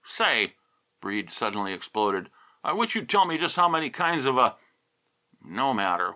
"Say," Breede suddenly exploded, "I wish you'd tell me just how many kinds of a no matter!